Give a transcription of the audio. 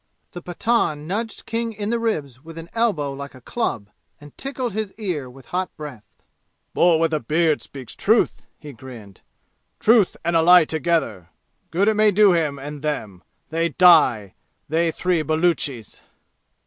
The Pathan nudged King in the ribs with an elbow like a club and tickled his ear with hot breath. "Bull with a beard speaks truth!" he grinned. "'Truth and a lie together! Good may it do him and them! They die, they three Baluchis!"